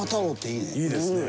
いいですね。